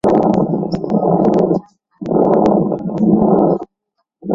随后该党将党名改为乌克兰绿党。